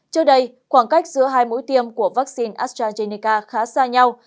trước đây khoảng cách giữa hai mũi tiêm của vaccine astrazeneca khá xa nhau